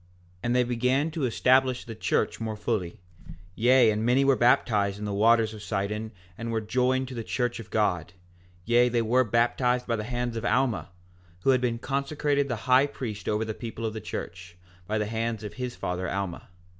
4:4 And they began to establish the church more fully; yea, and many were baptized in the waters of Sidon and were joined to the church of God; yea, they were baptized by the hand of Alma, who had been consecrated the high priest over the people of the church, by the hand of his father Alma.